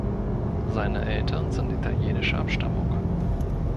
Seine Eltern sind italienischer Abstammung.